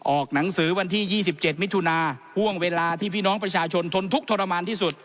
ออกหนังสือวันที่๒๗มิถุนาห่วงเวลาที่พี่น้องประชาชนทนทุกข์ทรมานที่สุด